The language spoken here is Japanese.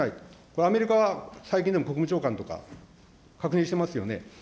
これはアメリカは最近でも国務長官とか、確認してますよね。